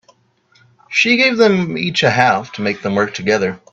She gave them each a half to make them work together.